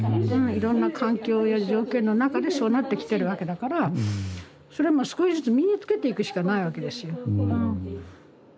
いろんな環境や条件の中でそうなってきてるわけだからそれはもう少しずつ身につけていくしかないわけですよ。